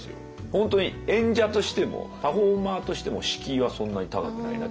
本当に演者としてもパフォーマーとしても敷居はそんなに高くないなって。